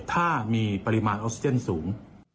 ถ้ามีอัลสิทธิ์สูง